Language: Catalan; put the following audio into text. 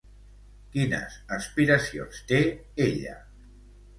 Quines aspiracions té ella?